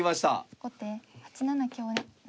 後手８七香成。